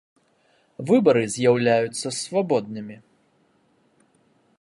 Выбары з’яўляюцца свабоднымі.